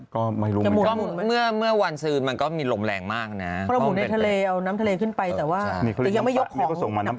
ก็ไม่รู้เมื่อวันสือมันก็มีลมแรงมากนะฮะ